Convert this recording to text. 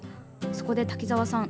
そこで滝沢さん